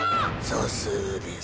そすうです。